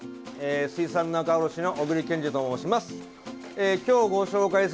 水産仲卸の小栗健二と申します。